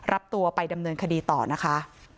รับตัวไปดำเนินคดีต่อนะคะ